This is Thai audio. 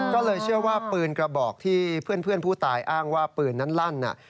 ก็เลยเชื่อว่าปืนกระบอกที่เพื่อนผู้ตายอ้างว่าปืนนั้นลั่น